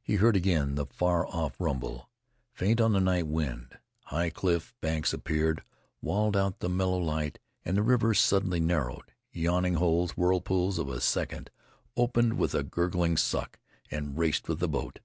He heard again the far off rumble, faint on the night. High cliff banks appeared, walled out the mellow, light, and the river suddenly narrowed. Yawning holes, whirlpools of a second, opened with a gurgling suck and raced with the boat.